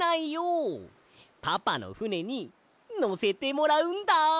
パパのふねにのせてもらうんだ。